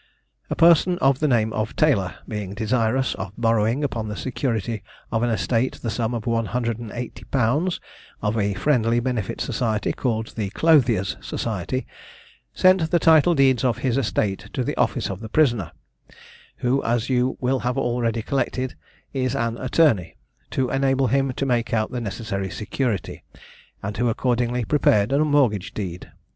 A person of the name of Taylor, being desirous of borrowing upon the security of an estate the sum of 180_l._, of a Friendly Benefit Society, called the Clothiers' Society, sent the title deeds of his estate to the office of the prisoner, who as you will have already collected is an attorney; to enable him to make out the necessary security, and who accordingly prepared a mortgage deed.